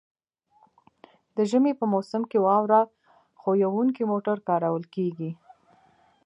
د ژمي په موسم کې واوره ښوییدونکي موټر کارول کیږي